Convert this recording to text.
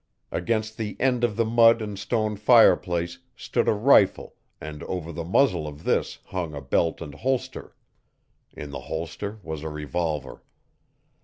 Against the end of the mud and stone fireplace stood a rifle and over the muzzle of this hung a belt and holster. In the holster was a revolver.